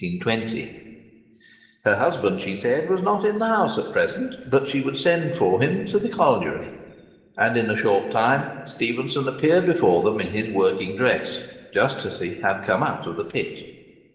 Her husband, she said, was not in the house at present, but she would send for him to the colliery. And in a short time Stephenson appeared before them in his working dress, just as he had come out of the pit.